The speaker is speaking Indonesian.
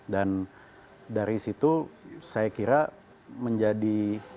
dan dari situ saya kira menjadi